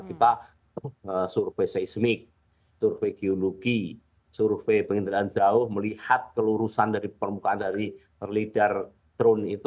kita survei seismik survei geologi survei pengindahan jauh melihat kelurusan permukaan dari lidar drone itu